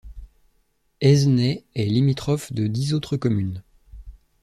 Aizenay est limitrophe de dix autres communes.